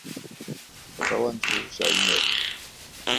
招喚出小櫻了